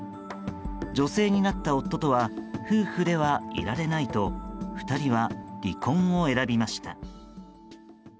女性になった夫とは夫婦ではいられないと２人は離婚を選びました。